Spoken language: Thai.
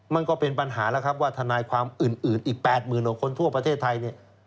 มันก็เป็นปัญหาแล้วครับว่าทนายความอื่นอีก๘๐๐๐กว่าคนทั่วประเทศไทยเนี่ย